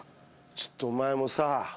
ちょっとお前もさ。